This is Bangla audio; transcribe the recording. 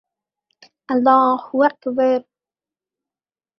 পাঞ্জাব প্রদেশের প্রত্নতত্ত্ব বিভাগ মসজিদটিতে সংরক্ষিত স্থাপনা বলে ঘোষণা করে।